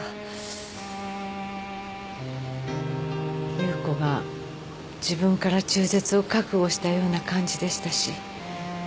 夕子が自分から中絶を覚悟したような感じでしたし。